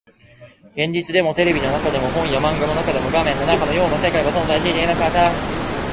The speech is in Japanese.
現実でも、テレビの中でも、本や漫画の中でも、画面の中のような世界は存在していなかった